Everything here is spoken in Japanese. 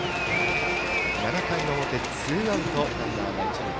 ７回の表、ツーアウトランナーが一塁。